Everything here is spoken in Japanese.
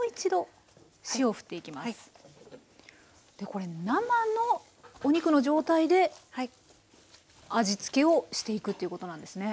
これ生のお肉の状態で味付けをしていくということなんですね。